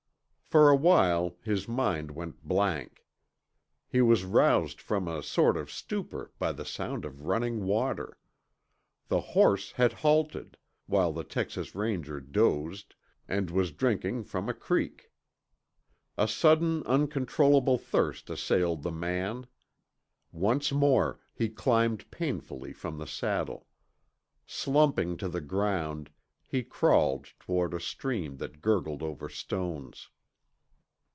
For a while his mind went blank. He was roused from a sort of stupor by the sound of running water. The horse had halted, while the Texas Ranger dozed, and was drinking from a creek. A sudden uncontrollable thirst assailed the man. Once more he climbed painfully from the saddle. Slumping to the ground, he crawled toward a stream that gurgled over stones.